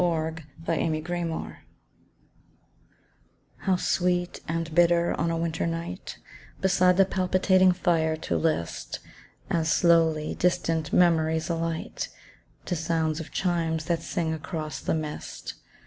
The Broken Bell How sweet and bitter, on a winter night, Beside the palpitating fire to list, As, slowly, distant memories alight, To sounds of chimes that sing across the mist.